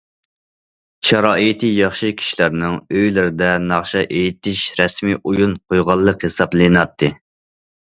شارائىتى ياخشى كىشىلەرنىڭ ئۆيلىرىدە ناخشا ئېيتىش رەسمىي ئويۇن قويغانلىق ھېسابلىناتتى.